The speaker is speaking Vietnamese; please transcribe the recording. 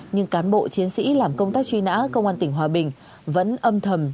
nhưng cán bộ chiến sĩ làm công tác truy nã công an tỉnh hòa bình vẫn âm thầm